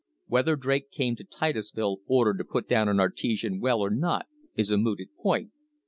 Whether Drake came to Titusville ordered to put down an artesian well or not is a mooted point.